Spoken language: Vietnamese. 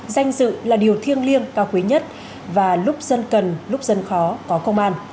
danh dự là điều thiêng liêng cao quý nhất và lúc dân cần lúc dân khó có công an